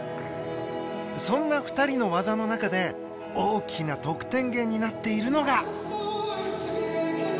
そんな２人の技の中で大きな得点源になっているのが